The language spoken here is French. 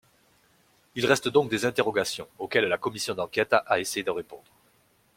Il reste donc des interrogations, auxquelles la commission d’enquête a essayé de répondre.